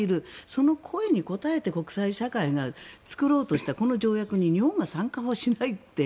その声に応えて国際社会が作ろうとしたこの条約に日本が参加をしないって